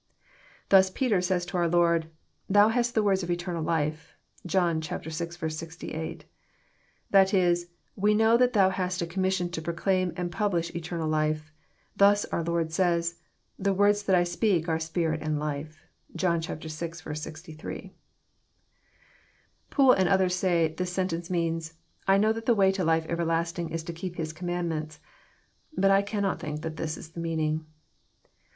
— ^Thas Peter says to our Lord, "Thou hast the words of eternal life, (John vl. 68 ;) that Is, we know Thoa hast a commission to proclaim and publish eternal life. — Thus our Lord says, '* The words that I speak are spirit and life." (John ▼i. 63.) Poole and others say this sentence means, *' I know that the way to life everlasting is to keep His commandments." Bat I cannot think this is the meaning.